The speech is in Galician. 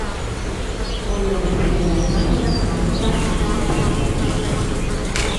Foi obra leda e rápida como toda liberación.